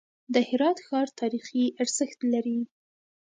د هرات ښار تاریخي ارزښت لري.